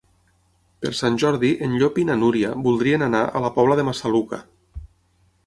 Per Sant Jordi en Llop i na Núria voldrien anar a la Pobla de Massaluca.